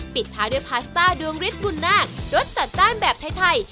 ปิดท้ายด้วยพาสต้าดวงฤทธิบุญนาครสจัดจ้านแบบไทย